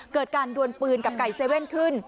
เกิดการดวนปืนกับไก่เซเว่นขึ้น